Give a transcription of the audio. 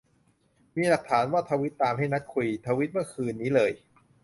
มีหลักฐานว่าทวีตตามให้นัดคุย ทวีตเมื่อคืนนี้เลย